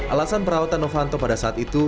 alasan perawatan novanto pada saat itu